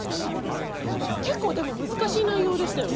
結構でも難しい内容でしたよね。